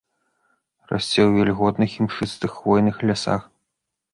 Расце ў вільготных імшыстых хвойных лясах.